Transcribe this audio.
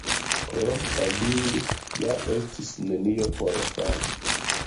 Krom babili ja estis nenio por fari.